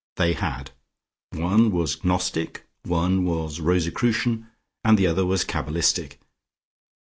They had; one was Gnostic, one was Rosicrucian, and the other was Cabalistic....